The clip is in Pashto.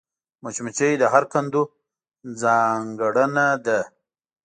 مچمچۍ د هر کندو ځانګړېنده ده